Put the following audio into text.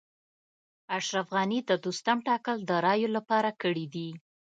اشرف غني د دوستم ټاکل د رایو لپاره کړي دي